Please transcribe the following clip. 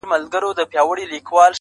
ځوان له سپي څخه بېحده په عذاب سو -